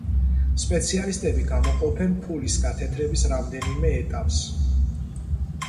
სპეციალისტები გამოყოფენ ფულის გათეთრების რამდენიმე ეტაპს.